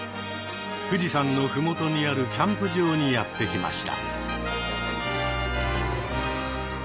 富士山の麓にあるキャンプ場にやって来ました。